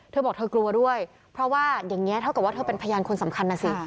เธอบอกเธอกลัวด้วยเพราะว่าอย่างนี้เท่ากับว่าเธอเป็นพยานคนสำคัญนะสิ